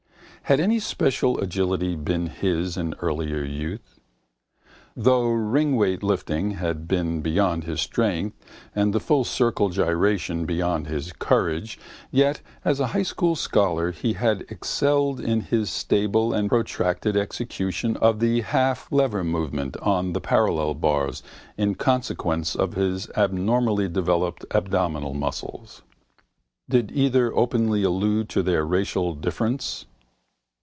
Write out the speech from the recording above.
Had any special agility been his in earlier youth? Though ringweight lifting had been beyond his strength and the full circle gyration beyond his courage yet as a High school scholar he had excelled in his stable and protracted execution of the half lever movement on the parallel bars in consequence of his abnormally developed abdominal muscles. Did either openly allude to their racial difference?